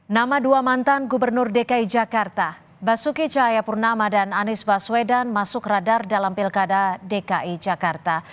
nama dua mantan gubernur dki jakarta basuki cahayapurnama dan anies baswedan masuk radar dalam pilkada dki jakarta